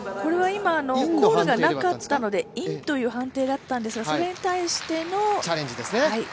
今コールがなかったので、インという判定だったんですがそれに対してのチャレンジですね。